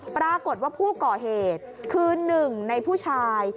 ปรากฏว่าผู้เกาะเหตุคือ๑ในผู้ชาย